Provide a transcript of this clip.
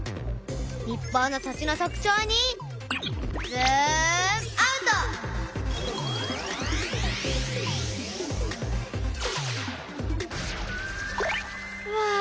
日本の土地の特徴にズームアウト！わ！